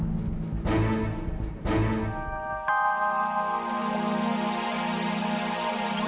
kamu gak usah ngambil kesimpulan sama sesuatu yang kamu gak tau